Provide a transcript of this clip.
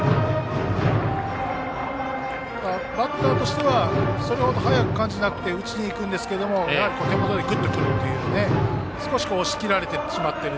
バッターとしてはそれ程速く感じなくて打ちに行くんですけれども手元でぐっと来るという少し押し切られてしまっている。